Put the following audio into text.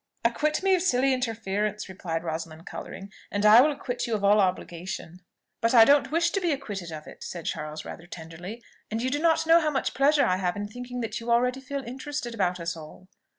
"Acquit me of silly interference," replied Rosalind, colouring, "and I will acquit you of all obligation." "But I don't wish to be acquitted of it," said Charles rather tenderly: "you do not know how much pleasure I have in thinking that you already feel interested about us all!"